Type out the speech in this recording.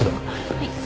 はい。